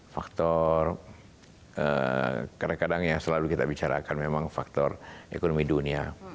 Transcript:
faktor kadang kadang yang selalu kita bicarakan memang faktor ekonomi dunia